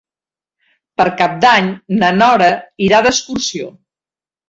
Per Cap d'Any na Nora irà d'excursió.